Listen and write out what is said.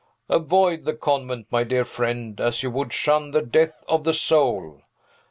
"Avoid the convent, my dear friend, as you would shun the death of the soul!